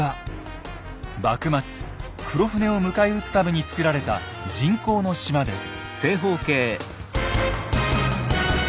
幕末黒船を迎え撃つために造られた人工の島です。